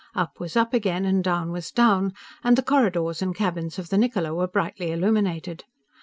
Up was up again, and down was down, and the corridors and cabins of the Niccola were brightly illuminated.